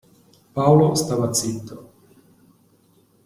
Paolo stava zitto.